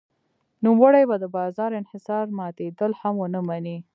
نوموړی به د بازار انحصار ماتېدل هم ونه مني.